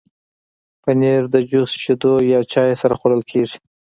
پنېر د جوس، شیدو یا چای سره خوړل کېږي.